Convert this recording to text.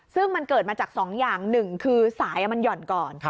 ซึ่งมันเกิดมาจากสองอย่างหนึ่งคือสายมันหย่อนก่อน